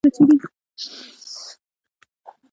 د اوسنۍ انجنیری منشا پنځوس پیړۍ مخکې وختونو ته رسیږي.